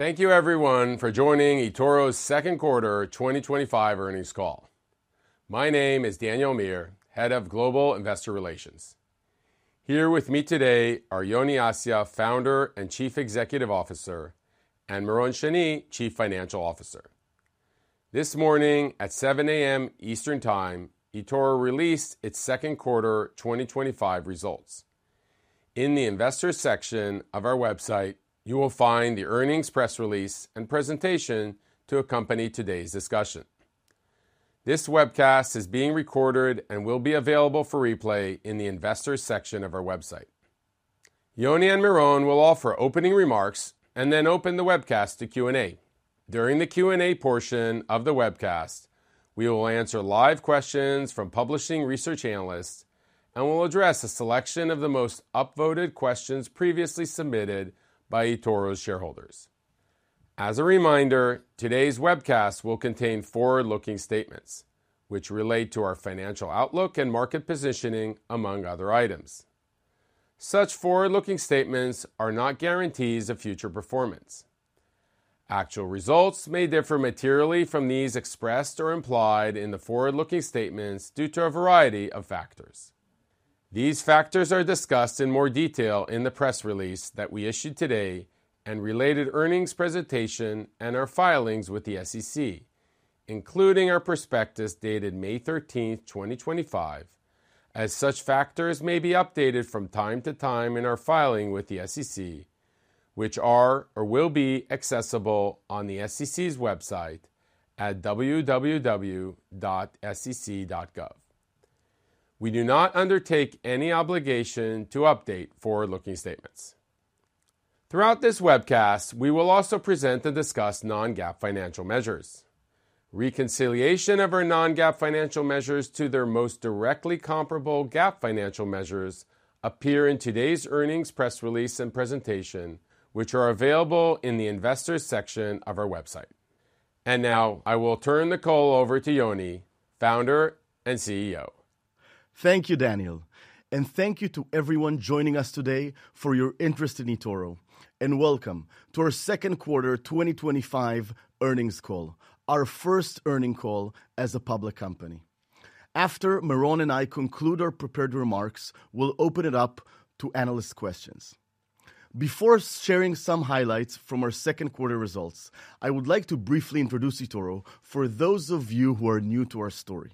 Thank you everyone for joining eToro's Second Quarter 2025 Earnings Call. My name is Daniel Amir, Head of Global Investor Relations. Here with me today are Yoni Assia, Founder and Chief Executive Officer, and Meron Shani, Chief Financial Officer. This morning at 7:00 A.M. Eastern Time, eToro released its second quarter 2025 results. In the investors section of our website, you will find the earnings press release and presentation to accompany today's discussion. This webcast is being recorded and will be available for replay in the investors section of our website. Yoni and Meron will offer opening remarks and then open the webcast to Q&A. During the Q&A portion of the webcast, we will answer live questions from publishing research analysts and will address a selection of the most upvoted questions previously submitted by eToro's shareholders. As a reminder, today's webcast will contain forward-looking statements which relate to our financial outlook and market positioning, among other items. Such forward-looking statements are not guarantees of future performance. Actual results may differ materially from these, expressed or implied in the forward-looking statements due to a variety of factors. These factors are discussed in more detail in the press release that we issued today and related earnings presentation and our filings with the SEC, including our prospectus dated May 13, 2025, as such factors may be updated from time to time in our filing with the SEC, which are or will be accessible on the SEC's website at www.sec.gov. We do not undertake any obligation to update forward-looking statements. Throughout this webcast, we will also present and discuss non-GAAP financial measures. Reconciliation of our non-GAAP financial measures to their most directly comparable GAAP financial measures appear in today's earnings press release and presentation, which are available in the investors section of our website. Now I will turn the call over to Yoni, Founder and CEO. Thank you, Daniel, and thank you to everyone joining us today for your interest in eToro and Welcome to our Second Quarter 2025 Earnings Call, our first earnings call as a public company. After Meron and I conclude our prepared remarks, we'll open it up to analyst questions. Before sharing some highlights from our second quarter results, I would like to briefly introduce eToro for those of you who are new to our story.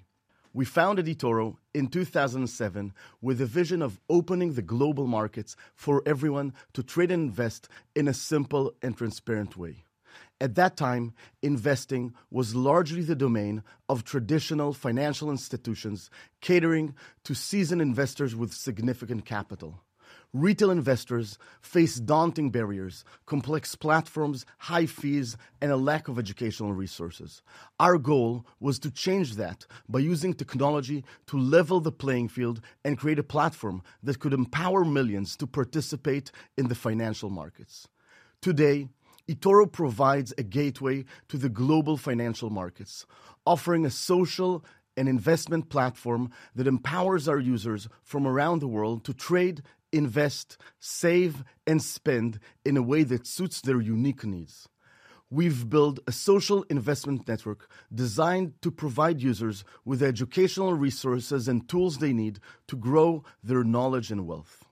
We founded eToro in 2007 with a vision of opening the global markets for everyone to trade and invest in a simple and transparent way. At that time, investing was largely the domain of traditional financial institutions catering to seasoned investors with significant capital. Retail investors faced daunting barriers, complex platforms, high fees, and a lack of educational resources. Our goal was to change that by using technology to level the playing field and create a platform that could empower millions to participate in the financial markets. Today, eToro provides a gateway to the global financial markets, offering a social and investment platform that empowers our users from around the world to trade, invest, save, and spend in a way that suits their unique needs. We've built a social investment network designed to provide users with educational resources and tools they need to grow their knowledge and wealth.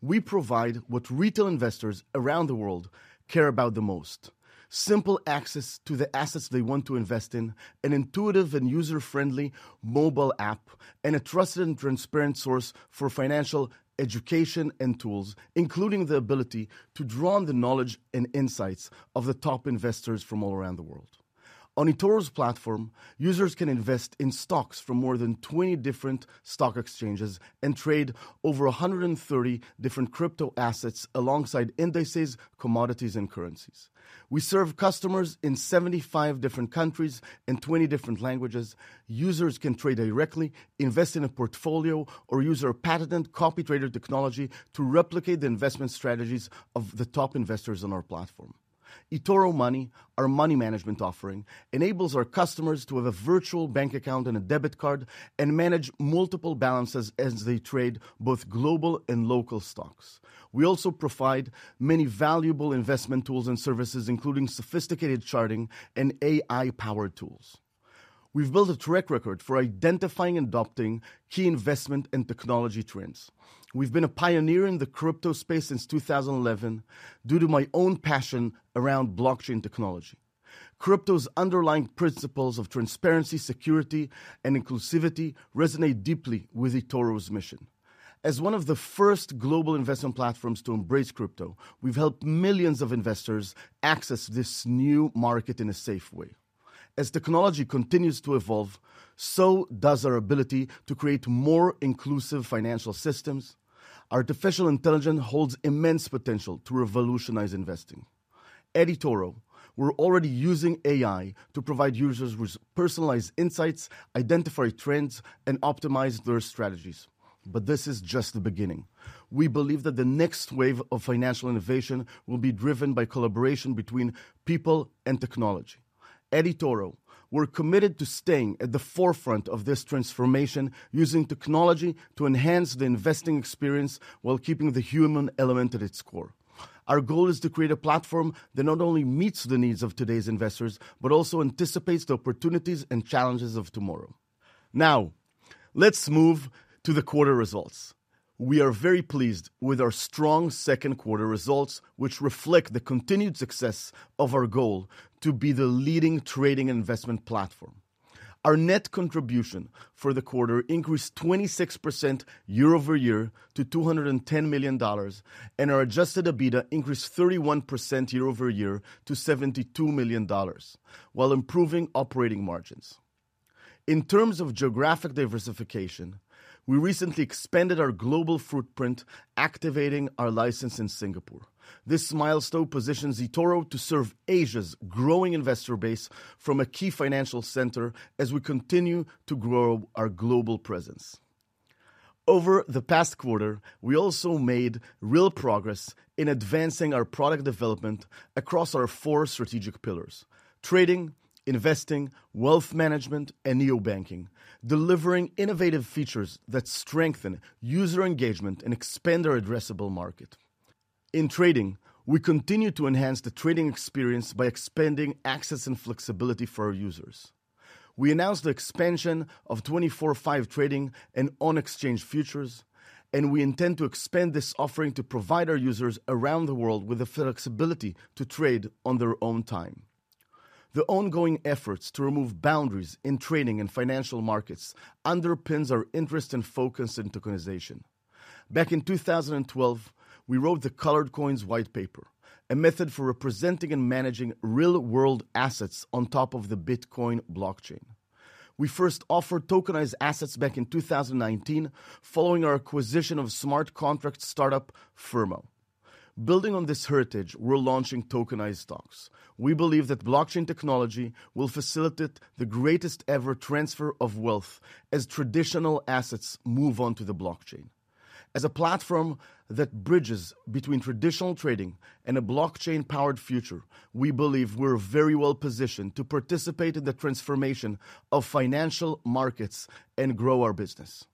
We provide what retail investors around the world care about the most: simple access to the assets they want to invest in, an intuitive and user-friendly mobile app, and a trusted and transparent source for financial education and tools, including the ability to draw on the knowledge and insights of the top investors from all around the world. On eToro's platform, users can invest in stocks from more than 20 different stock exchanges and trade over 130 different crypto assets, alongside indices, commodities, and currencies. We serve customers in 75 different countries and 20 different languages. Users can trade directly, invest in a portfolio, or use our patented CopyTrader technology to replicate the investment strategies of the top investors on our platform. eToro Money, our money management offering, enables our customers to have a virtual bank account and a debit card and manage multiple balances as they trade both global and local stocks. We also provide many valuable investment tools and services, including sophisticated charting and AI-powered tools. We've built a track record for identifying and adopting key investment and technology trends. We've been a pioneer in the crypto space since 2011 due to my own passion around blockchain technology. Crypto's underlying principles of transparency, security, and inclusivity resonate deeply with eToro's mission. As one of the first global investment platforms to embrace crypto, we've helped millions of investors access this new market in a safe way. As technology continues to evolve, so does our ability to create more inclusive financial systems. Artificial intelligence holds immense potential to revolutionize investing. At eToro, we're already using AI to provide users with personalized insights, identify trends, and optimize their strategies. This is just the beginning. We believe that the next wave of financial innovation will be driven by collaboration between people and technology. At eToro, we're committed to staying at the forefront of this transformation, using technology to enhance the investing experience while keeping the human element at its core. Our goal is to create a platform that not only meets the needs of today's investors, but also anticipates the opportunities and challenges of tomorrow. Now let's move to the quarter results. We are very pleased with our strong second quarter results, which reflect the continued success of our goal to be the leading trading investment platform. Our net contribution for the quarter increased 26% year-over-year to $210 million, and our adjusted EBITDA increased 31% year-over-year to $72 million, while improving operating margins. In terms of geographic diversification, we recently expanded our global footprint, activating our license in Singapore. This milestone positions eToro to serve Asia's growing investor base from a key financial center as we continue to grow our global presence. Over the past quarter, we also made real progress in advancing our product development across our four strategic areas: Trading, Investing, Wealth Management, and NEO Banking, delivering innovative features that strengthen user engagement and expand our addressable market. In trading, we continue to enhance the trading experience by expanding access and flexibility for our users. We announced the expansion of 24/5 trading and on-exchange futures, and we intend to expand this offering to provide our users around the world with the flexibility to trade on their own time. The ongoing efforts to remove boundaries in trading and financial markets underpins our interest and focus in tokenization. Back in 2012, we wrote the Colored Coins whitepaper, a method for representing and managing real world assets on top of the Bitcoin blockchain. We first offered tokenized assets back in 2019 following our acquisition of smart contract startup Firmo. Building on this heritage, we're launching tokenized U.S.-listed stocks. We believe that blockchain technology will facilitate the greatest ever transfer of wealth as traditional assets move onto the blockchain. As a platform that bridges between traditional trading and a blockchain-powered future, we believe we're very well positioned to participate in the transformation of financial markets and grow our business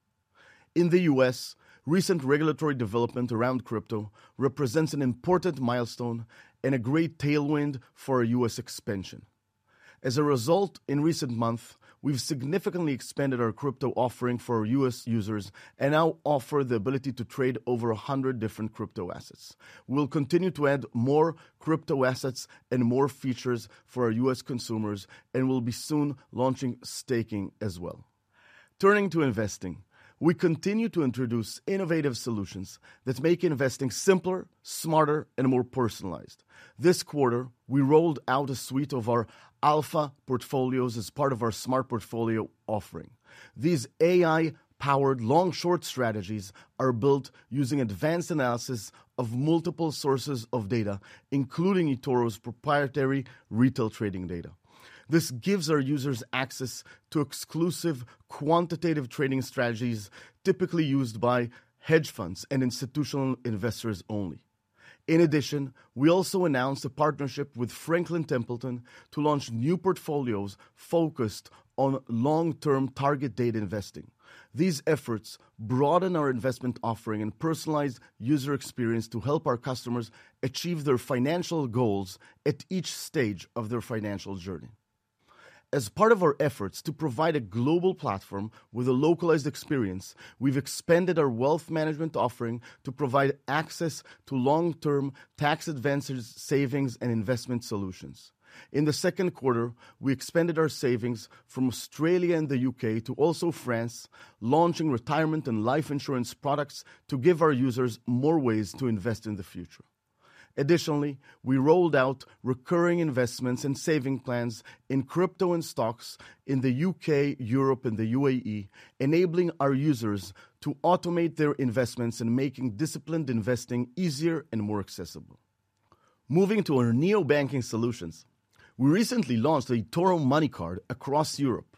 in the U.S. Recent regulatory development around crypto represents an important milestone and a great tailwind for U.S. expansion. As a result, in recent months we've significantly expanded our crypto offering for U.S. users and now offer the ability to trade over 100 different crypto assets. We'll continue to add more crypto assets and more features for our U.S. consumers and we'll be soon launching staking as well. Turning to investing, we continue to introduce innovative solutions that make investing simpler, smarter, and more personalized. This quarter we rolled out a suite of our Alpha Portfolios as part of our Smart Portfolio offering. These AI-powered long-short strategies are built using advanced analysis of multiple sources of data, including eToro's proprietary retail trading data. This gives our users access to exclusive quantitative trading strategies typically used by hedge funds and institutional investors only. In addition, we also announced a partnership with Franklin Templeton to launch new portfolios focused on long-term target data investing. These efforts broaden our investment offering and personalized user experience to help our customers achieve their financial goals at each stage of their financial journey. As part of our efforts to provide a global platform with a localized experience, we've expanded our wealth management offering to provide access to long-term tax advances, savings, and investment solutions. In the second quarter, we expanded our savings from Australia and the U.K. to also France, launching retirement and life insurance products to give our users more ways to invest in the future. Additionally, we rolled out recurring investments and saving plans in crypto and stocks in the U.K., Europe, and the UAE, enabling our users to automate their investments and making disciplined investing easier and more accessible. Moving to our neo banking solutions, we recently launched an eToro Money card across Europe.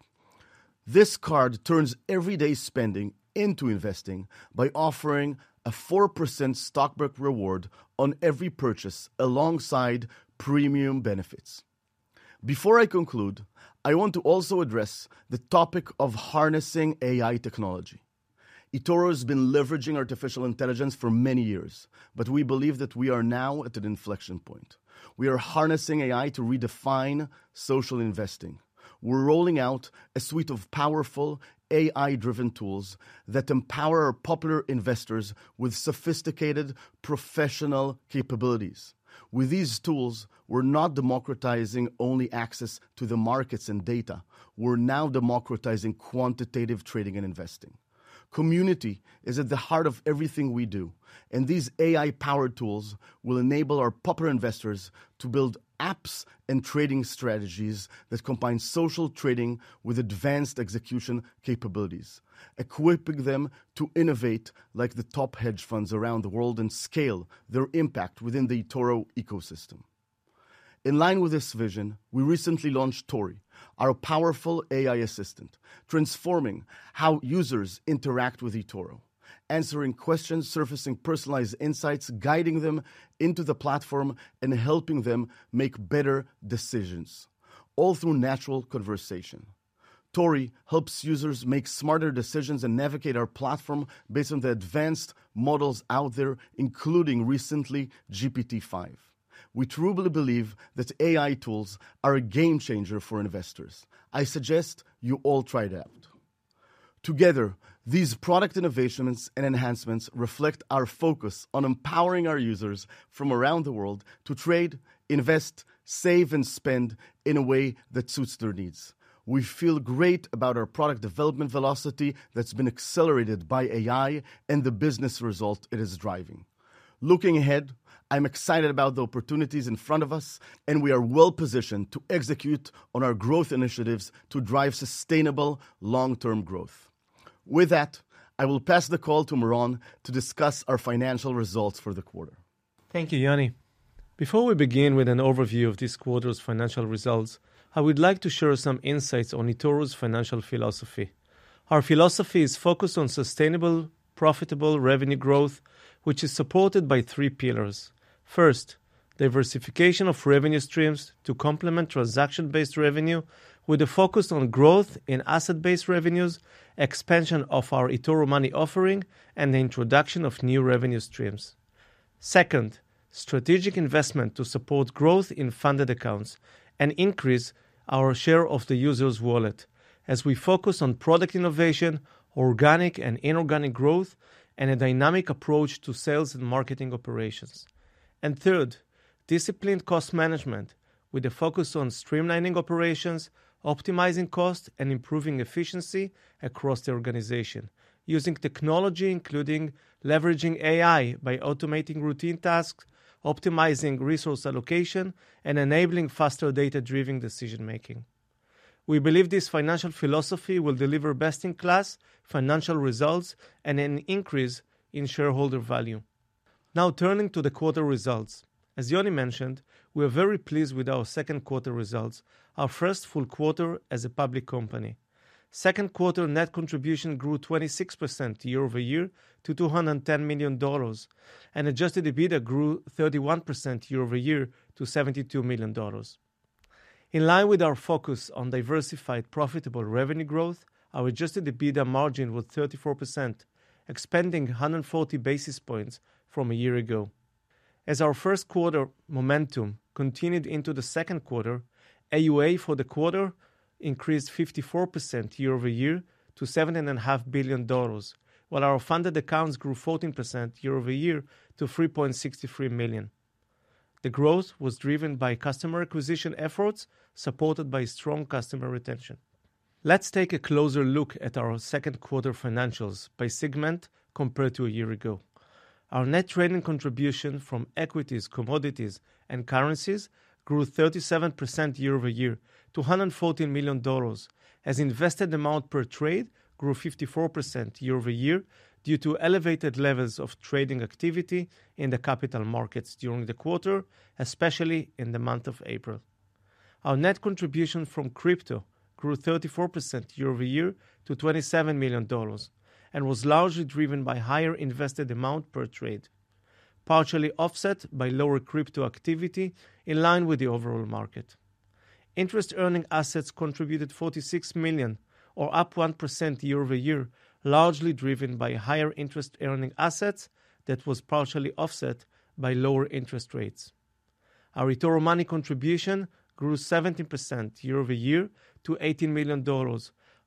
This card turns everyday spending into investing by offering a 4% stockback reward on every purchase alongside premium benefits. Before I conclude, I want to also address the topic of harnessing AI technology. eToro has been leveraging artificial intelligence for many years, but we believe that we are now at an inflection point. We are harnessing AI to redefine social investing. We're rolling out a suite of powerful AI-driven tools that empower popular investors with sophisticated professional capabilities. With these tools, we're not democratizing only access to the markets and data, we're now democratizing quantitative trading and investing. Community is at the heart of everything we do, and these AI-powered tools will enable our popular investors to build apps and trading strategies that combine social trading with advanced execution capabilities, equipping them to innovate like the top hedge funds around the world and scale their impact within the eToro ecosystem. In line with this vision, we recently launched Tori, our powerful AI assistant, transforming how users interact with eToro, answering questions, surfacing personalized insights, guiding them into the platform, and helping them make better decisions all through natural conversation. Tori helps users make smarter decisions and navigate our platform. Based on the advanced models out there, including recently GPT-5, we truly believe that AI tools are a game changer for investors. I suggest you all try it out together. These product innovations and enhancements reflect our focus on empowering our users from around the world to trade, invest, save, and spend in a way that suits their needs. We feel great about our product development velocity that's been accelerated by AI and the business result it is driving. Looking ahead, I'm excited about the opportunities in front of us and we are well positioned to execute on our growth initiatives to drive sustainable long-term growth. With that, I will pass the call to Meron to discuss our financial results for the quarter. Thank you, Yoni. Before we begin with an overview of this quarter's financial results, I would like to share some insights on eToro's financial philosophy. Our philosophy is focused on sustainable, profitable revenue growth, which is supported by three pillars. First, diversification of revenue streams to complement transaction-based revenue with a focus on growth in asset-based revenues, expansion of our eToro Money offering, and the introduction of new revenue streams. Second, strategic investment to support growth in funded accounts and increase our share of the user's wallet as we focus on product innovation, organic and inorganic growth, and a dynamic approach to sales and marketing operations. Third, disciplined cost management with a focus on streamlining operations, optimizing cost, and improving efficiency across the organization using technology, including leveraging AI by automating routine tasks, optimizing resource allocation, and enabling faster data-driven decision making. We believe this financial philosophy will deliver best-in-class financial results and an increase in shareholder value. Now turning to the quarter results. As Yoni mentioned, we are very pleased with our second quarter results. Our first full quarter as a public company, second quarter net contribution grew 26% year-over-year to $210 million, and adjusted EBITDA grew 31% year over year to $72 million. In line with our focus on diversified, profitable revenue growth, our adjusted EBITDA margin was 34%, expanding 140 basis points from a year ago. As our first quarter momentum continued into the second quarter, AUA for the quarter increased 54% year-over-year to $7.5 billion, while our funded accounts grew 14% year-over-year to 3.63 million. The growth was driven by customer acquisition efforts supported by strong customer retention. Let's take a closer look at our second quarter financials by segment. Compared to a year ago, our net trading contribution from equities, commodities, and currencies grew 37% year-over-year to $214 million as invested amount per trade grew 54% year-over-year due to elevated levels of trading activity in the capital markets during the quarter, especially the month of April. Our net contribution from crypto grew 34% year-over-year to $27 million and was largely driven by higher invested amount per trade, partially offset by lower crypto activity. In line with the overall market, interest earning assets contributed $46 million, or up 1% year-over-year, largely driven by higher interest earning assets that was partially offset by lower interest rates. Our eToro Money contribution grew 17% year-over-year to $18 million,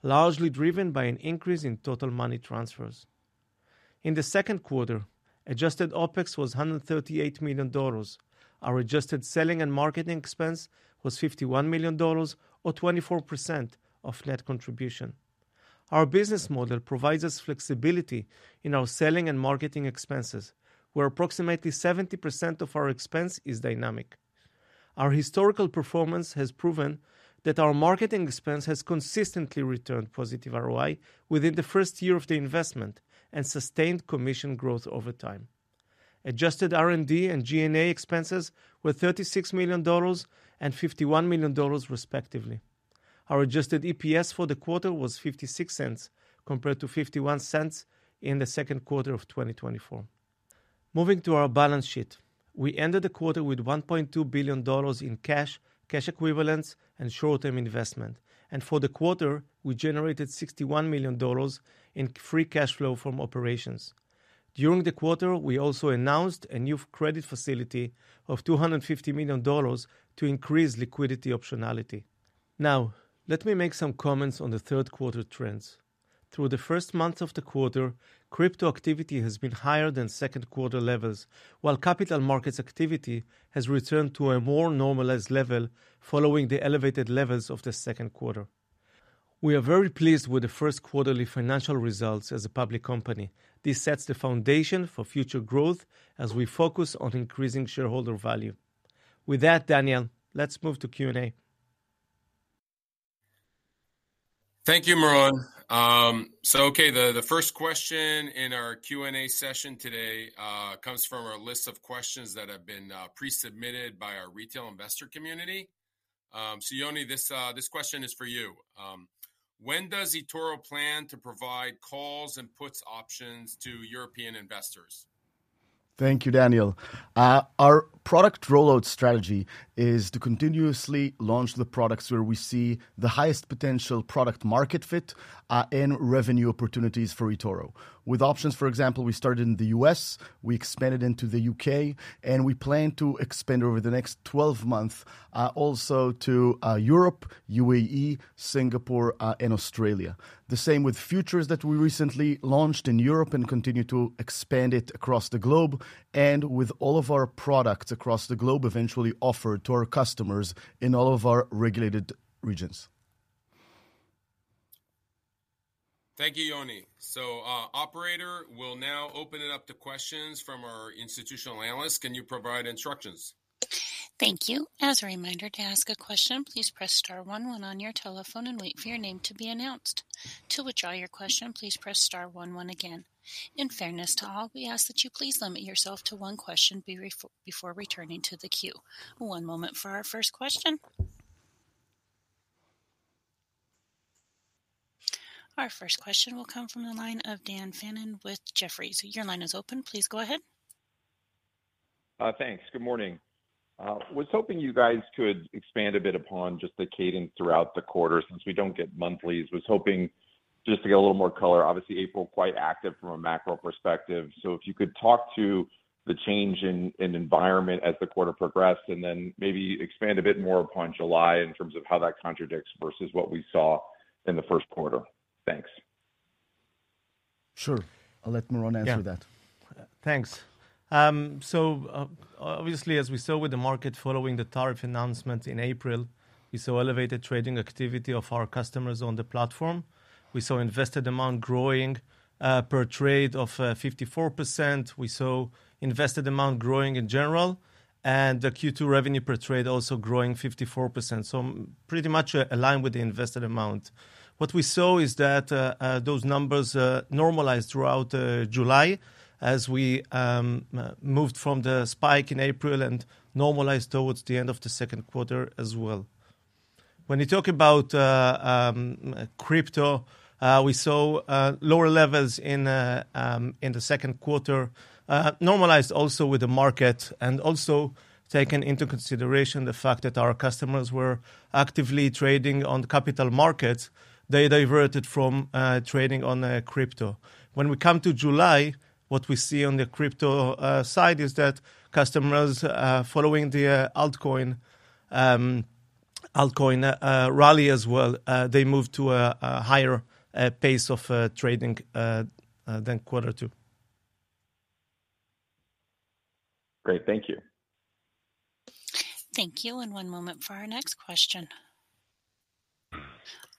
largely driven by an increase in total money transfers in the second quarter. Adjusted OpEx was $138 million. Our adjusted selling and marketing expense was $51 million, or 24% of net contribution. Our business model provides us flexibility in our selling and marketing expenses where approximately 70% of our expense is dynamic. Our historical performance has proven that our marketing expense has consistently returned positive ROI within the first year of the investment and sustained commission growth over time. Adjusted R&D and G&A expenses were $36 million and $51 million, respectively. Our adjusted EPS for the quarter was $0.56 compared to $0.51 in the second quarter of 2024. Moving to our balance sheet, we ended the quarter with $1.2 billion in cash, cash equivalents, and short term investment, and for the quarter we generated $61 million in free cash flow from operations during the quarter. We also announced a new credit facility of $250 million to increase liquidity optionality. Now let me make some comments on the third quarter trends. Through the first month of the quarter, crypto activity has been higher than second quarter levels, while capital markets activity has returned to a more normalized level following the elevated levels of the second quarter. We are very pleased with the first quarterly financial results as a public company, this sets the foundation for future growth as we focus on increasing shareholder value. With that, Daniel, let's move to Q&A. Thank you, Meron. The first question in our Q&A session today comes from our list of questions that have been pre-submitted by our retail investor community. Yoni, this question is for you. When does eToro plan to provide calls and puts options to European investors? Thank you, Daniel. Our product rollout strategy is to continuously launch the products where we see the highest potential product market fit and revenue opportunities for eToro. With options, for example, we started in the U.S., we expanded into the U.K., and we plan to expand over the next 12 months also to Europe, UAE, Singapore, and Australia. The same with futures that we recently launched in Europe and continue to expand it across the globe, and with all of our products across the globe eventually offered to our customers in all of our regulated regions. Thank you, Yoni. The operator will now open it up to questions from our institutional analysts. Can you provide instructions? Thank you. As a reminder to ask a question, please press star one one on your telephone and wait for your name to be announced. To withdraw your question, please press star one one again. In fairness to all, we ask that you please limit yourself to one question before returning to the queue. One moment for our first question. Our first question will come from the line of Dan Fannon with Jefferies. Your line is open. Please go ahead. Thanks. Good morning. Was hoping you guys could expand a bit upon just the cadence throughout the quarter. Since we don't get monthlies, was hoping just to get a little more color. Obviously April quite active from a macro perspective. If you could talk to the change in environment as the quarter progressed and then maybe expand a bit more upon July in terms of how that contradicts versus what we saw in the first quarter. Thanks. Sure. I'll let Meron answer that. Thanks. As we saw with the market following the tariff announcements in April, we saw elevated trading activity of our customers on the platform. We saw investor demand growing per trade of 54%. We saw invested amount growing in general and the Q2 revenue per trade also growing 54%, pretty much aligned with the invested amount. What we saw is that those numbers normalized throughout July as we moved from the spike in April and normalized towards the end of the second quarter as well. When you talk about crypto, we saw lower levels in the second quarter. The second quarter normalized also with the market and also taken into consideration the fact that our customers were actively trading on capital markets, they diverted from trading on crypto. When we come to July, what we see on the crypto side is that customers, following the altcoin rally as well, move to a higher pace of trading than Q2. Great. Thank you. Thank you. One moment for our next question.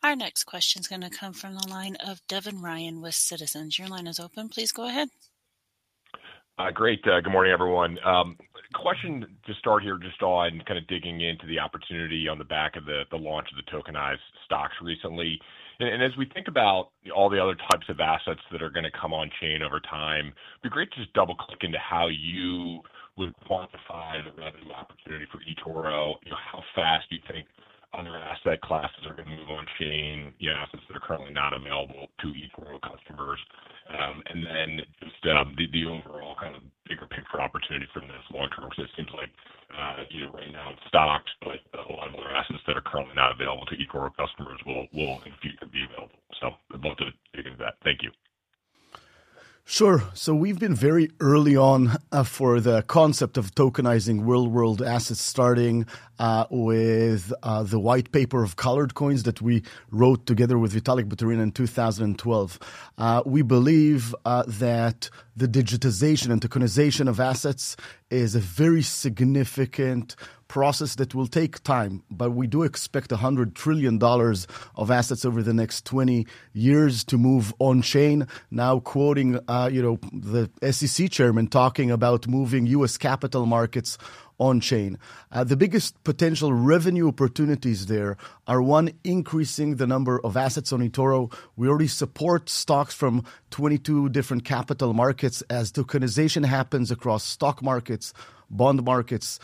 Our next question is going to come from the line of Devin Ryan with Citizens. Your line is open. Please go ahead. Great. Good morning everyone. Question to start here just on kind of digging into the opportunity on the back of the launch of the tokenized U.S.-listed stocks recently. As we think about all the other types of assets that are going to come on chain over time, it'd be great to just double click into how you would quantify the revenue opportunity for eToro, how fast you think other asset classes are going to move on chain, assets that are currently not available to eToro customers. Instead of the overall kind of bigger picture opportunity from this long term, because it seems like right now in stocks, but a lot of other assets that are currently not available to eToro customers will in future be available. I'd love to dig into that. Thank you. Sure. We've been very early on for the concept of tokenizing real world assets, starting with the Colored Coins whitepaper that we wrote together with Vitalik Buterin in 2012. We believe that the digitization and tokenization of assets is a very significant process that will take time. We do expect $100 trillion of assets over the next 20 years to move on chain. Now quoting, you know, the SEC Chairman talking about moving U.S. capital markets on chain. The biggest potential revenue opportunities there are, one, increasing the number of assets. On eToro, we already support stocks from 22 different capital markets. As tokenization happens across stock markets, bond markets,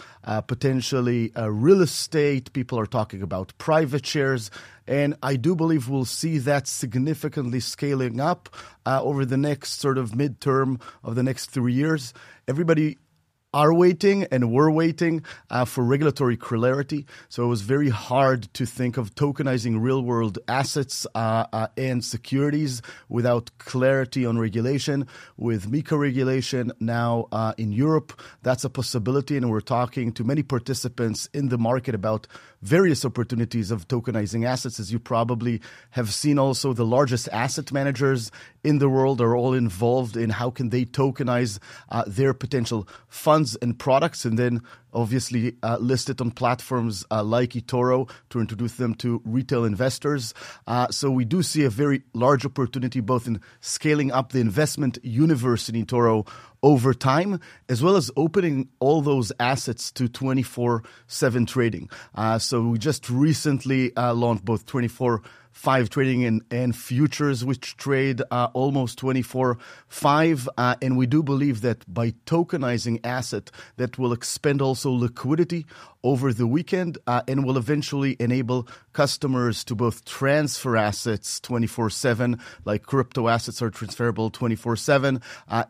potentially real estate, people are talking about private shares. I do believe we'll see that significantly scaling up over the next sort of midterm of the next three years. Everybody is waiting and we're waiting for regulatory clarity. It was very hard to think of tokenizing real world assets and securities without clarity on regulation. With MiCA regulation now in Europe, that's a possibility. We're talking to many participants in the market about various opportunities of tokenizing assets. As you probably have seen, also the largest asset managers in the world are all involved in how can they tokenize their potential funds and products and then obviously list it on platforms like eToro to introduce them to retail investors. We do see a very large opportunity both in scaling up the investment universe in eToro over time as well as opening all those assets to 24/7 trading. We just recently launched both 24/5 trading and futures which trade almost 24/5. We do believe that by tokenizing assets that will expand also liquidity over the weekend and will eventually enable customers to both transfer assets 24/7. Like crypto, assets are transferable 24/7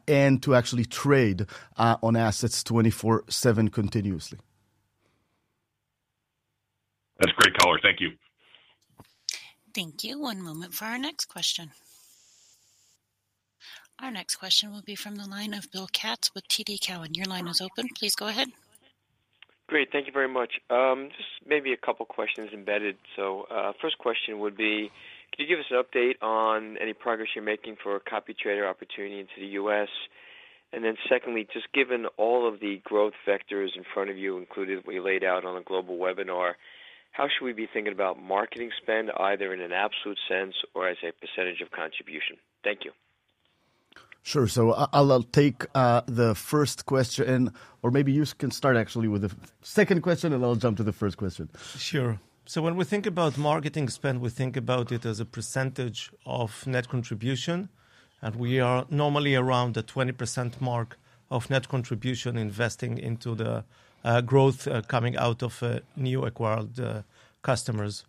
and to actually trade on assets 24/7 continues. That's a great caller. Thank you. Thank you. One moment for our next question. Our next question will be from the line of Bill Katz with TD Cowen. Your line is open. Please go ahead. Great. Thank you very much. Just maybe a couple questions embedded. First question would be, can you give us an update on any progress you're making for CopyTrader opportunity into the U.S., and then secondly, just given all of the growth vectors in front of you, including what we laid out on a global webinar, how should we be thinking about marketing spend either in an absolute sense or as a percentage of contribution? Thank you. Sure. I'll take the first question, or maybe you can start with the second question and I'll jump to the first question. Sure. When we think about marketing spend, we think about it as a percentage of net contribution. We are normally around the 20% mark of net contribution investing into the growth coming out of new acquired customers.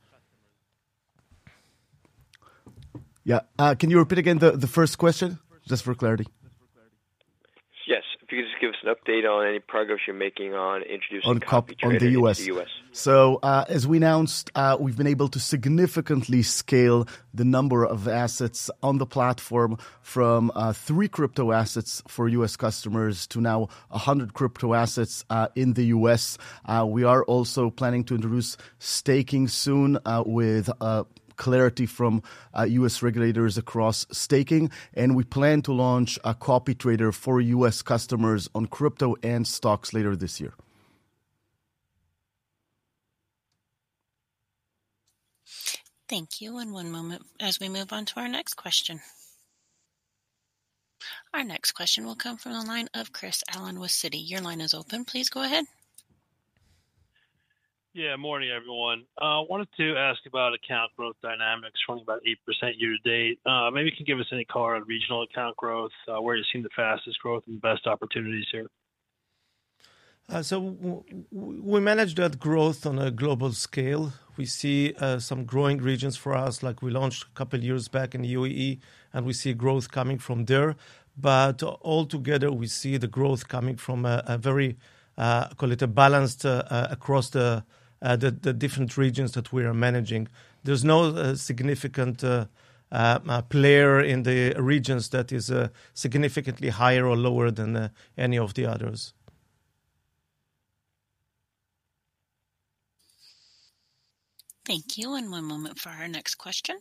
Yeah, can you repeat again the first question just for clarity? Yes, if you could just give us an update on any progress you're making on. Introducing the U.S. As we announced, we've been able to significantly scale the number of assets on the platform from three crypto assets for U.S. customers to now 100 crypto assets in the U.S. We are also planning to introduce staking soon with clarity from U.S. regulators across staking, and we plan to launch CopyTrader for U.S. customers on crypto and stocks later this year. Thank you. One moment as we move on to our next question. Our next question will come from the line of Chris Allen with Citi. Your line is open. Please go ahead. Yeah. Morning everyone. Wanted to ask about account growth dynamics running about 8% year to date. Maybe you can give us any color on regional account growth where you've seen the fastest growth and best opportunities here. We manage that growth on a global scale. We see some growing regions for us like we launched a couple years back in the UAE and we see growth coming from there. Altogether we see the growth coming from a very, call it, a balanced across the different regions that we are managing. There's no significant player in the regions that is significantly higher or lower than any of the others. Thank you. One moment for our next question.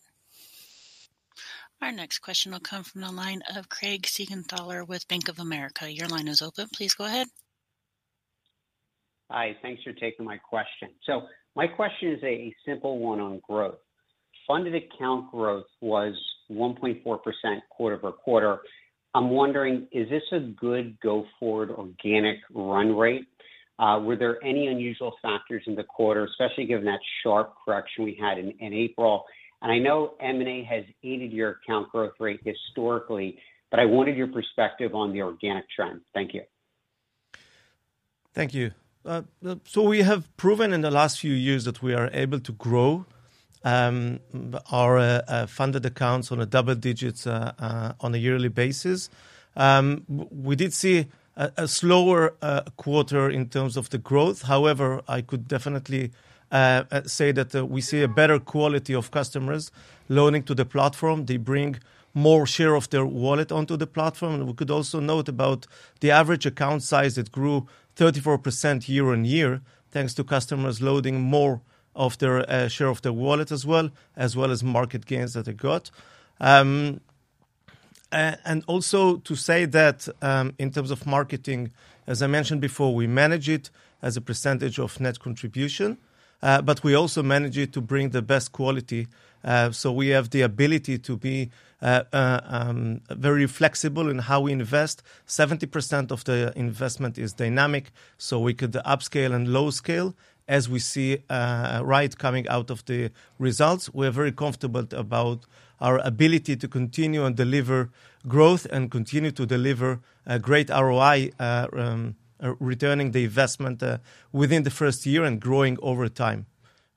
Our next question will come from the line of Craig Siegenthaler with Bank of America. Your line is open. Please go ahead. Hi, thanks for taking my question. My question is a simple one on growth. Funded account growth was 1.4% quarter-over-quarter. I'm wondering, is this a good go forward organic run rate? Were there any unusual factors in the quarter, especially given that sharp correction we had in April? I know M&A has aided your account growth rate historically, but I wanted your perspective on the organic trend. Thank you. Thank you. We have proven in the last few years that we are able to grow our funded accounts on a double digit on a yearly basis. We did see a slower quarter in terms of the growth. However, I could definitely say that we see a better quality of customers loading to the platform. They bring more share of their wallet onto the platform. We could also note about the average account size. It grew 34% year-on-year thanks to customers loading more of their share of their wallet as well as market gains that they got. Also to say that in terms of marketing, as I mentioned before, we manage it as a percentage of net contribution, but we also manage it to bring the best quality so we have the ability to be very flexible in how we invest. 70% of the investment is dynamic, so we could upscale and low scale as we see right coming out of the results. We are very comfortable about our ability to continue and deliver growth and continue to deliver great ROI, returning the investment within the first year and growing over time.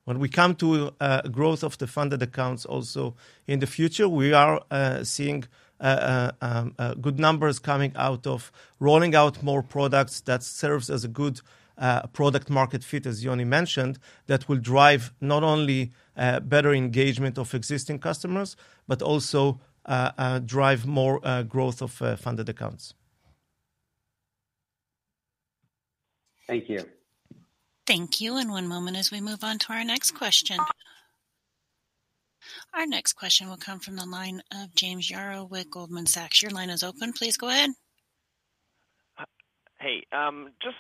When we come to growth of the funded accounts also in the future we are seeing good numbers coming out of rolling out more products that serves as a good product market fit. As Yoni mentioned, that will drive not only better engagement of existing customers but also drive more growth of funded accounts. Thank you. Thank you. One moment as we move on to our next question. Our next question will come from the line of James Yarrow with Goldman Sachs. Your line is open. Please go ahead. Hey, just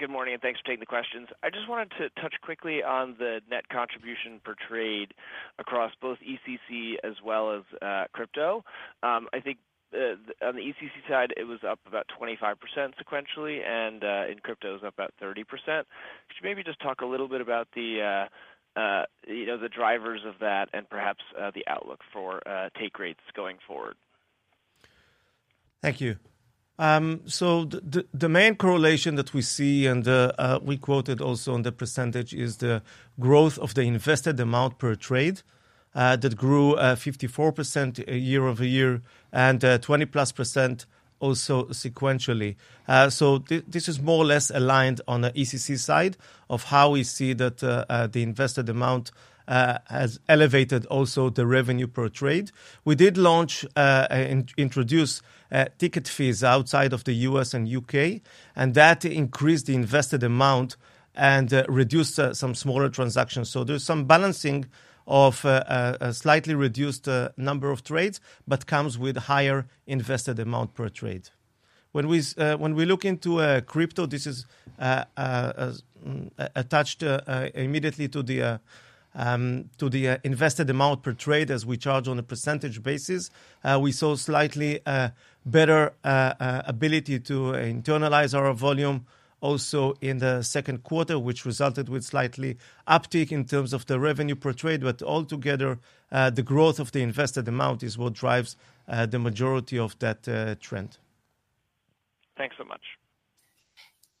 good morning and thanks for taking the questions. I just wanted to touch quickly on the net contribution portrayed across both ECC as well as crypto. On the ECC side it was up about 25% sequentially and in crypto it was up about 30%. Could you maybe just talk a little bit about the drivers of that and perhaps the outlook for take rates going forward? Thank you. The main correlation that we see, and we quoted also on the percentage, is the growth of the invested amount per trade that grew 54% year-over-year and 20+% also sequentially. This is more or less aligned on the ECC side of how we see that the invested amount has elevated also the revenue per trade. We did launch introduce ticket fees outside of the U.S. and U.K., and that increased the invested amount and reduced some smaller transactions. There's some balancing of a slightly reduced number of trades, but it comes with higher invested amount per trade. When we look into crypto, this is attached immediately to the invested amount per trade as we charge on a percentage basis. We saw slightly better ability to internalize our volume also in the second quarter, which resulted with slightly uptick in terms of the revenue per trade. Altogether, the growth of the invested amount is what drives the majority of that trend. Thanks so much.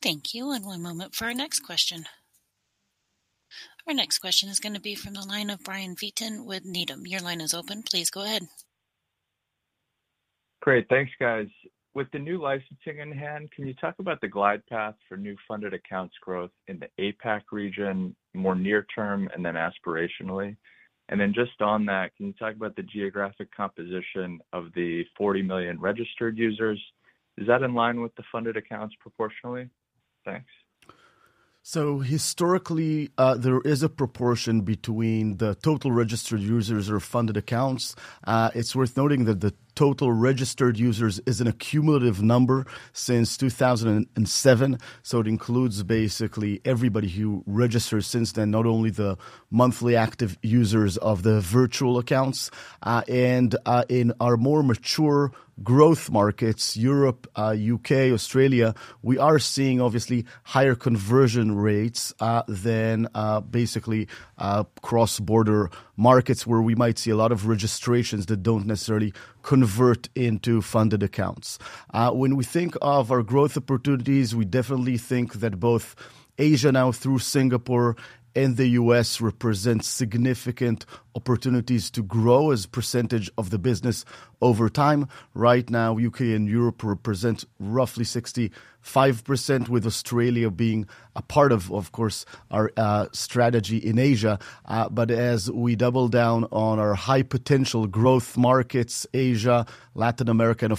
Thank you. One moment for our next question. Our next question is going to be from the line of Brian Vieten with Needham. Your line is open. Please go ahead. Great. Thanks guys. With the new licensing in hand, can you talk about the glide path for new funded accounts growth in the APAC region more near term and then aspirationally. Can you talk about the geographic composition of the 40 million registered users? Is that in line with the funded accounts proportionally? Thanks. Historically, there is a proportion between the total registered users or funded accounts. It's worth noting that the total registered users is an accumulative number since 2007, so it includes basically everybody who registers since then, not only the monthly active users of the virtual accounts. In our more mature growth markets, Europe, U.K., Australia, we are seeing obviously higher conversion rates than basically cross border markets where we might see a lot of registrations that don't necessarily convert into funded accounts. When we think of our growth opportunities, we definitely think that both Asia now through Singapore and the U.S. represents significant opportunities to grow as a percentage of the business over time. Right now, U.K. and Europe represent roughly 65% with Australia being a part of, of course, our strategy in Asia. As we double down on our high potential growth markets, Asia, Latin America and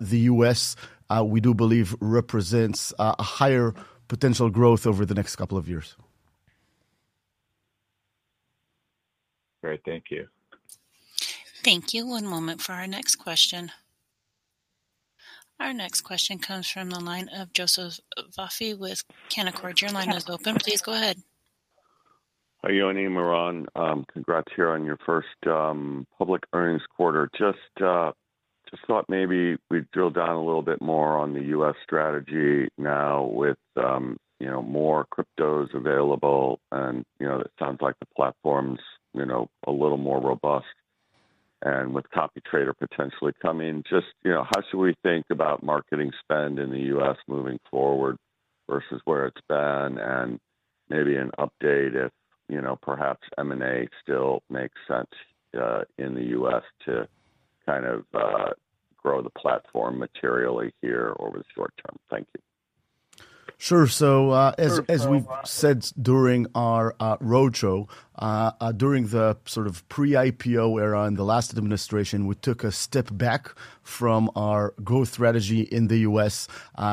the U.S., we do believe represents a higher potential growth over the next couple of years. All right, thank you. Thank you. One moment for our next question. Our next question comes from the line of Joseph Vafi with Canaccord. Your line is open. Please go ahead. Yoni, Meron, congrats here on your first public earnings quarter. Just thought maybe we'd drill down a little bit more on the U.S. strategy now with more cryptos available and it sounds like the platform's a little more robust and with CopyTrader potentially coming, just how should we think about marketing spend in the U.S. moving forward versus where it's been and maybe an update if perhaps M&A still makes sense in the U.S. to kind of grow the platform materially here over the short term. Thank you. Sure. As we've said during our roadshow, during the sort of pre-IPO era, in the last administration, we took a step back from our growth strategy in the U.S.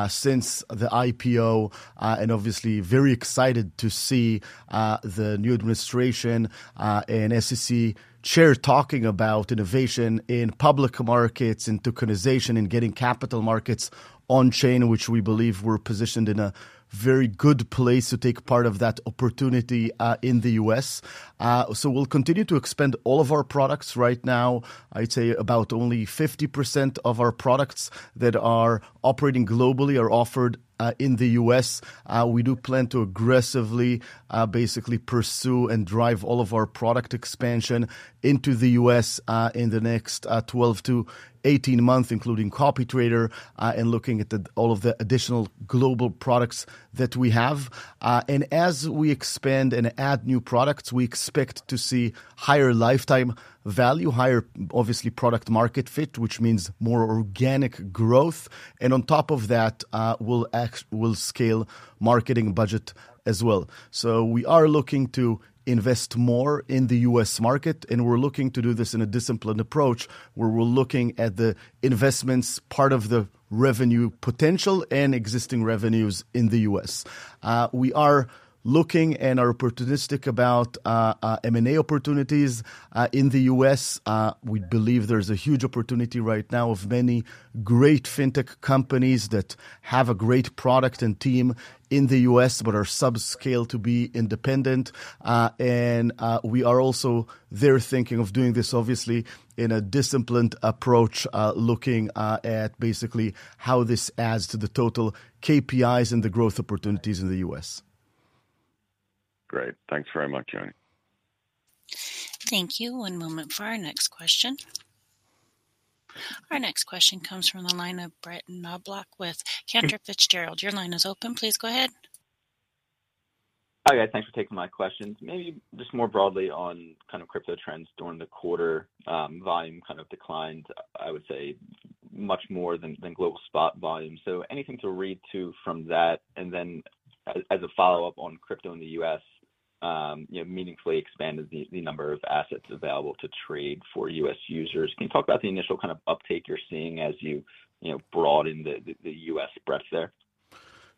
Since the IPO, and obviously very excited to see the new administration and SEC Chair talking about innovation in public markets and tokenization and getting capital markets on chain, we believe we're positioned in a very good place to take part of that opportunity in the U.S. We'll continue to expand all of our products. Right now I'd say about only 50% of our products that are operating globally are offered in the U.S. We do plan to aggressively basically pursue and drive all of our product expansion into the U.S. in the next 12-18 months, including CopyTrader and looking at all of the additional global products that we have. As we expand and add new products, we expect to see higher lifetime value, higher obviously product market fit, which means more organic growth. On top of that, we'll scale marketing budget as well. We are looking to invest more in the U.S. market and we're looking to do this in a disciplined approach where we're looking at the investments part of the revenue potential and existing revenues in the U.S. We are looking and are opportunistic about M&A opportunities in the U.S. We believe there's a huge opportunity right now of many great fintech companies that have a great product and team in the U.S. but are subscale to be independent. We are also thinking of doing this obviously in a disciplined approach looking at basically how this adds to the total KPIs and the growth opportunities in the U.S. Great, thanks very much Yoni. Thank you. One moment for our next question. Our next question comes from the line of Brett Knoblauch with Cantor Fitzgerald. Your line is open. Please go ahead. Hi guys, thanks for taking my questions. Maybe just more broadly on kind of crypto trends during the quarter, volume kind of declined, I would say, much more than global spot volume. Is there anything to read to from that? As a follow up on crypto in the U.S., meaningfully expanded the number of assets available to trade for U.S. users. Can you talk about the initial kind of uptake you're seeing as you broaden the U.S. breadth?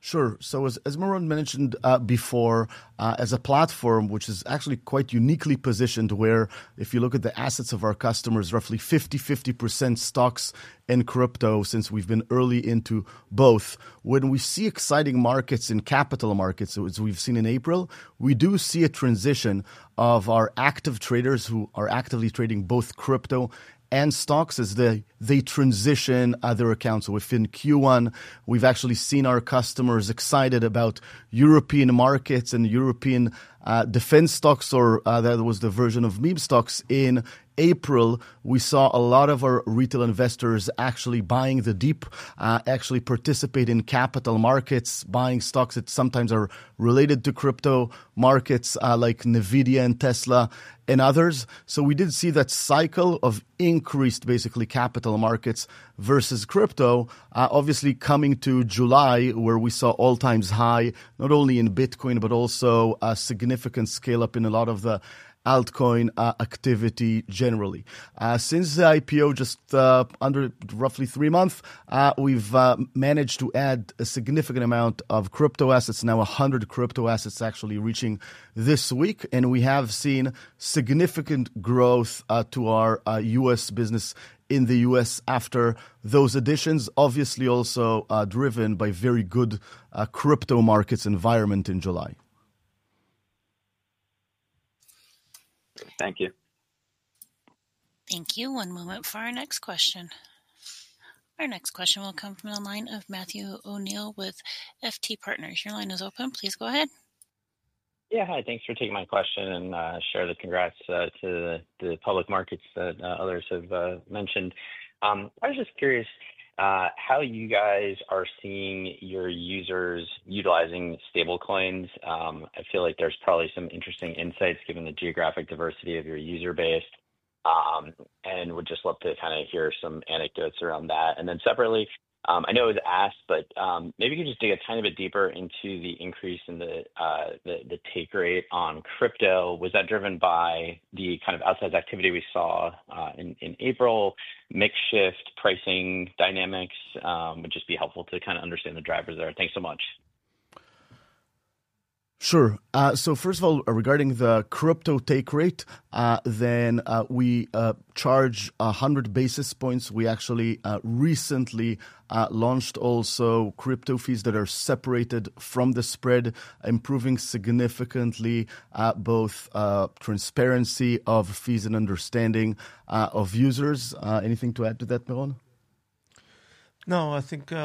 Sure. As Meron mentioned before, as a platform which is actually quite uniquely positioned where if you look at the assets of our customers, roughly 50, 50% stocks and crypto since we've been early into both, when we see exciting markets in capital markets, as we've seen in April, we do see a transition of our active traders who are actively trading both crypto and stocks as they transition other accounts within Q1. We've actually seen our customers excited about European markets and European defense stocks or that was the version of meme stocks. In April we saw a lot of our retail investors actually buying the dip, actually participate in capital markets buying stocks that sometimes are related to crypto markets like NVIDIA and Tesla and others. We did see that cycle of increased basically capital markets versus crypto, obviously coming to July where we saw all-time highs not only in bitcoin but also a significant scale up in a lot of the altcoin activity. Generally since the IPO just under roughly three months we've managed to add a significant amount of crypto assets, now 100 crypto assets actually reaching this week, and we have seen significant growth to our U.S. business in the U.S. after those additions, obviously also driven by very good crypto markets environment in July. Thank you. Thank you. One moment for our next question. Our next question will come from the line of Matthew O'Neill with FT Partners. Your line is open. Please go ahead. Hi, thanks for taking my question and share the congrats to the public markets that others have mentioned. I was just curious how you guys are seeing your users utilizing stablecoins. I feel like there's probably some interesting insights given the geographic diversity of your user base and would just love to kind of hear some anecdotes around that. Separately, I know it was asked, but maybe you could just dig a tiny bit deeper into the increase in the take rate on crypto. Was that driven by the kind of outside activity we saw in April? Mix shift pricing dynamics would just be helpful to kind of understand the drivers there. Thanks so much. Sure. First of all, regarding the crypto take rate, we charge 100 basis points. We actually recently launched also crypto fees that are separated from the spread, improving significantly both transparency of fees and understanding of users. Anything to add to that, Meron? No, I think we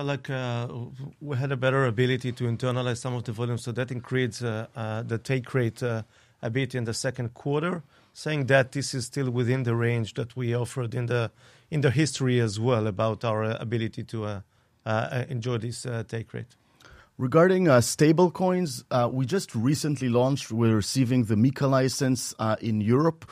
had a better ability to internalize some of the volumes, so that increased the take rate a bit in the second quarter. Saying that, this is still within the range that we offered in the history as well about our ability to enjoy this take rate. Regarding stablecoins, we just recently launched, we're receiving the MiCA license in Europe,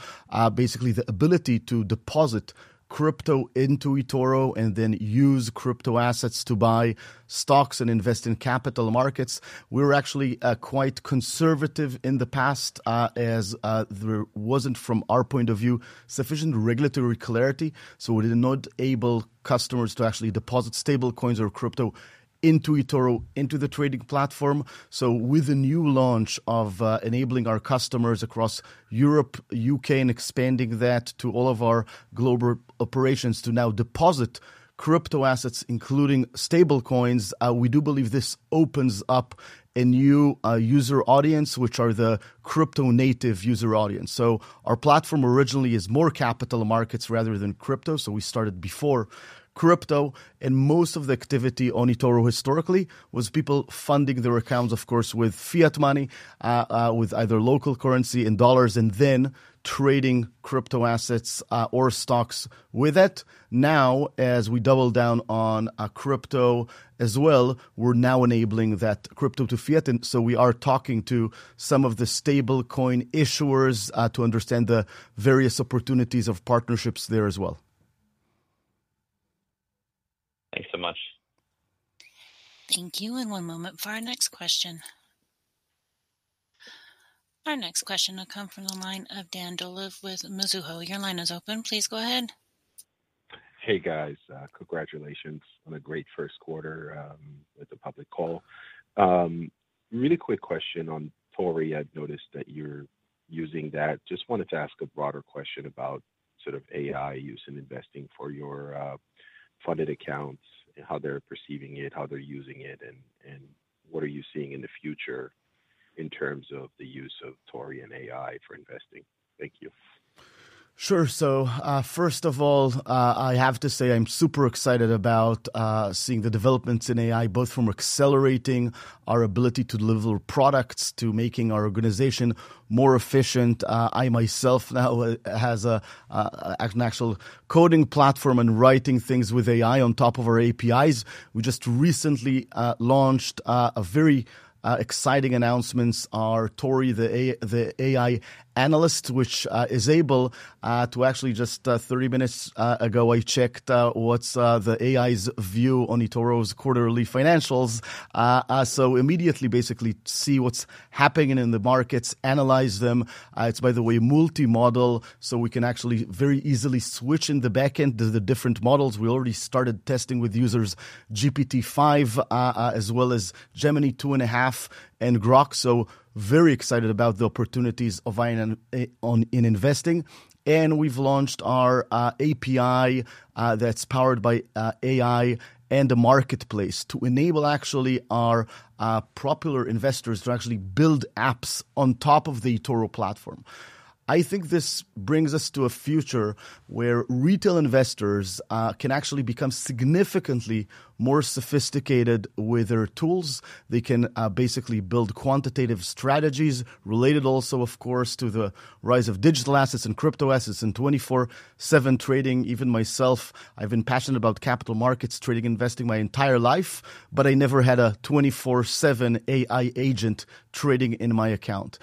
basically the ability to deposit crypto into eToro and then use crypto assets to buy stocks and invest in capital markets. We were actually quite conservative in the past as there wasn't from our point of view sufficient regulatory clarity. We did not enable customers to actually deposit stablecoins or crypto into eToro into the trading platform. With the new launch of enabling our customers across Europe, U.K., and expanding that to all of our global operations to now deposit crypto assets including stablecoins, we do believe this opens up a new user audience which are the crypto native user audience. Our platform originally is more capital markets rather than crypto. We started before crypto and most of the activity on eToro historically was people funding their accounts, of course with fiat money, with either local currency in dollars and then trading crypto assets or stocks with it. Now as we double down on crypto as well, we're now enabling that crypto to fiat. We are talking to some of the stablecoin issuers to understand the various opportunities of partnerships there as well. Thanks so much. Thank you. One moment for our next question. Our next question will come from the line of Dan Dolev with Mizuho. Your line is open. Please go ahead. Hey guys, congratulations on a great first quarter with the public call. Really quick question on Tori. I've noticed that you're using that. Just wanted to ask a broader question about sort of AI use and investing for your funded accounts, how they're perceiving it, how they're using it, and what are you seeing in the future in terms of the use of AI for investing? Thank you. Sure. First of all, I have to say I'm super excited about seeing the developments in AI both from accelerating our ability to deliver products to making our organization more efficient. I myself now have an actual coding platform and writing things with AI on top of our APIs. We just recently launched a very exciting announcement, our Tori the AI analyst, which is able to actually just 30 minutes ago I checked what's the AI's view on eToro's quarterly financials. You can immediately basically see what's happening in the markets, analyze them. It's, by the way, multimodal, so we can actually very easily switch in the backend the different models. We already started testing with users GPT-5 as well as Gemini 2.5 and Grok. I'm very excited about the opportunities of AI in investing. We've launched our API that's powered by AI and a marketplace to enable our popular investors to build apps on top of the eToro platform. I think this brings us to a future where retail investors can become significantly more sophisticated with their tools. They can basically build quantitative strategies related also, of course, to the rise of digital assets and crypto assets in 24/7 trading. Even myself, I've been passionate about capital markets trading and investing my entire life, but I never had a 24/7 AI agent trading in my account.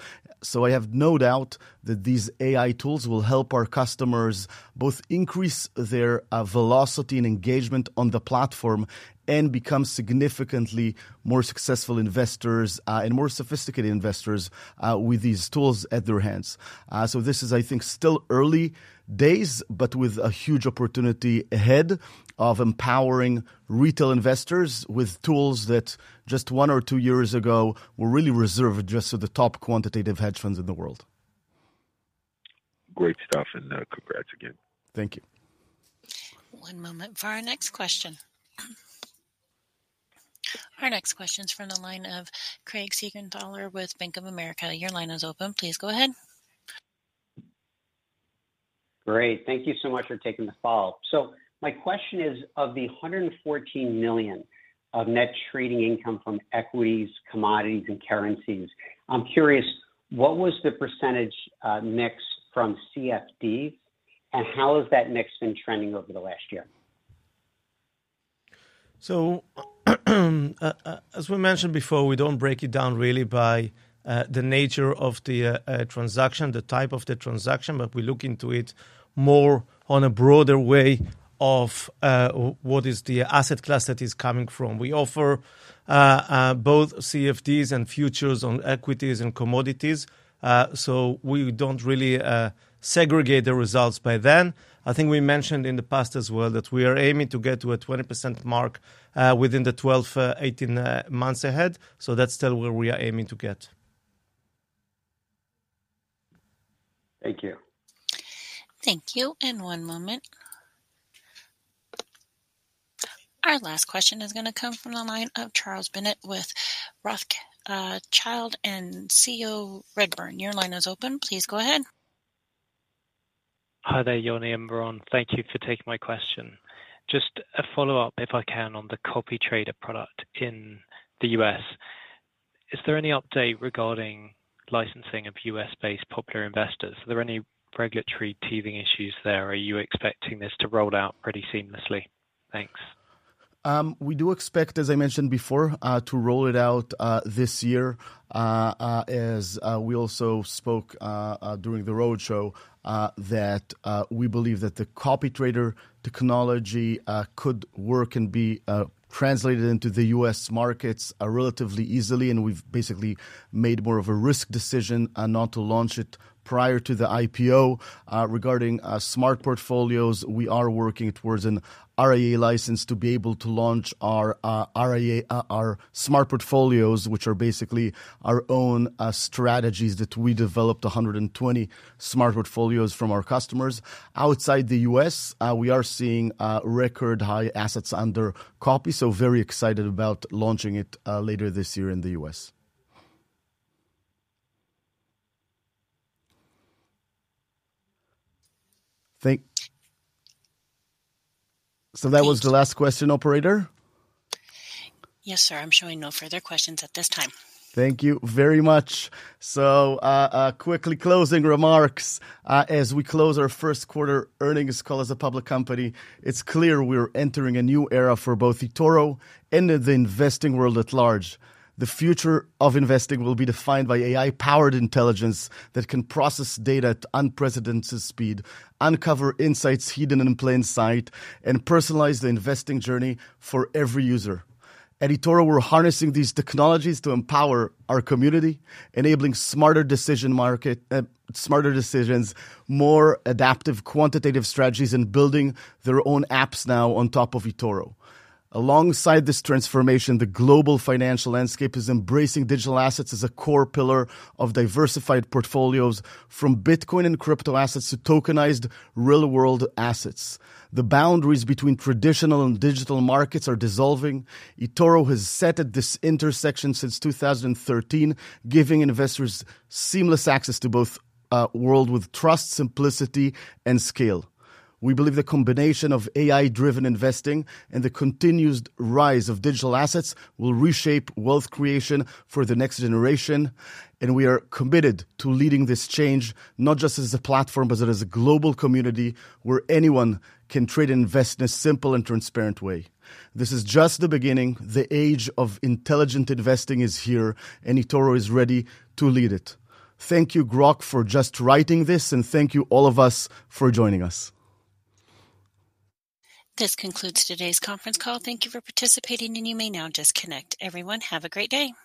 I have no doubt that these AI tools will help our customers both increase their velocity and engagement on the platform and become significantly more successful investors and more sophisticated investors with these tools at their hands. I think this is still early days but with a huge opportunity ahead of empowering retail investors with tools that just one or two years ago were really reserved just to the top quantitative hedge funds in the world. Great stuff, and congrats again. Thank you. One moment for our next question. Our next question is from the line of Craig Siegenthaler with Bank of America. Your line is open. Please go ahead. Great. Thank you so much for taking the follow. My question is, of the $114 million of net trading income from equities, commodities, and currencies, I'm curious, what was the percentage mix from CFD, and how has that mix been trending over the last year? As we mentioned before, we don't break it down really by the nature of the transaction, the type of the transaction, but we look into it more on a broader way of what is the asset class that is coming from. We offer both CFDs and futures on equities and commodities, so we don't really segregate the results by then. I think we mentioned in the past as well that we are aiming to get to a 20% mark within the 12-18 months ahead. That's still where we are aiming to get. Thank you. Thank you. One moment. Our last question is going to come from the line of Charles Bendit with Rothschild & Co Redburn. Your line is open. Please go ahead. Hi there Yoni and Meron, thank you for taking my question. Just a follow up if I can on the CopyTrader product in the U.S. Is there any update regarding licensing of U.S.-based popular investors? Are there any regulatory teething issues there? Are you expecting this to roll out pretty seamlessly? Thanks. We do expect, as I mentioned before, to roll it out this year as we also spoke during the roadshow that we believe that the CopyTrader technology could work and be translated into the U.S. markets relatively easily, and we've basically made more of a risk decision not to launch it prior to the IPO. Regarding smart portfolios, we are working towards an RIA license to be able to launch our RIA, our smart portfolios, which are basically our own strategies that we developed. 120 smart portfolios from our customers outside the U.S. We are seeing record high assets under copy, so very excited about launching it later this year in the U.S. Thank you. That was the last question, Operator. Yes sir, I'm showing no further questions at this time. Thank you very much. Quickly, closing remarks as we close our first quarter earnings call as a public company, it's clear we're entering a new era for both eToro and in the investing world at large. The future of investing will be defined by AI-powered intelligence that can process data at unprecedented speed, uncover insights hidden in plain sight, and personalize the investing journey for every user. At eToro, we're harnessing these technologies to empower our community, enabling smarter decisions, more adaptive quantitative strategies, and building their own apps now on top of eToro. Alongside this transformation, the global financial landscape is embracing digital assets as a core pillar of diversified portfolios, from bitcoin and crypto assets to tokenized real world assets. The boundaries between traditional and digital markets are dissolving. eToro has sat at this intersection since 2013, giving investors seamless access to both worlds with trust, simplicity, and scale. We believe the combination of AI-driven investing and the continued rise of digital assets will reshape wealth creation for the next generation. We are committed to leading this change not just as a platform, but as a global community where anyone can trade and invest in a simple and transparent way. This is just the beginning. The age of intelligent investing is here, and eToro is ready to lead it. Thank you, Grok, for just writing this. Thank you all of us for joining us. This concludes today's conference call. Thank you for participating and you may now disconnect. Everyone, have a great day.